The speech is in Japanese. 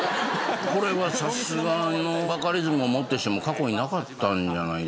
これはさすがのバカリズムをもってしても過去になかったんじゃない？